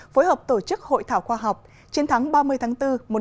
phối hợp tổ chức hội thảo khoa học chiến thắng ba mươi bốn một nghìn chín trăm bảy mươi năm